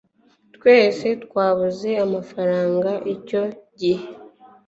twese twabuze amafaranga icyo gihe